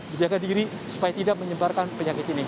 menjaga diri supaya tidak menyebarkan penyakit ini